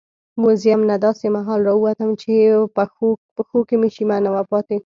موزیم نه داسې مهال راووتم چې پښو کې شیمه نه وه پاتې.